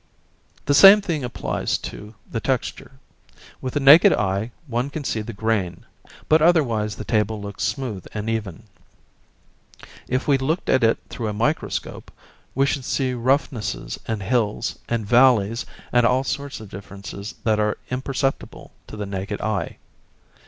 The same thing applies to the texture. With the naked eye one can see the grain, but otherwise the table looks smooth and even. If we looked at it through a microscope, we should see roughnesses and hills and valleys, and all sorts of differences that are imperceptible to the naked eye.